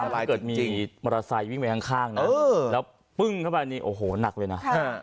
ถ้าเกิดมีมอเตอร์ไซค์วิ่งไปข้างเนอะแล้วปึ้งเข้าไปนี่โอ้โหหนักเลยนะ